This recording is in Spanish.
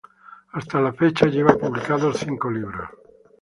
Hasta la fecha lleva publicados cinco libros.